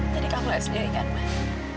kamu lihat sendiri kan mas